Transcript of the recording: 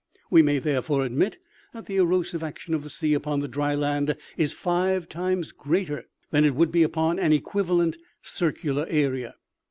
We may, therefore, admit that the erosive action of the sea upon the dry land is Jive times greater than it would be upon an equivalent circular area.